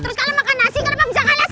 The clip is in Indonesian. terus kalian makan nasi kenapa bisa kalah sih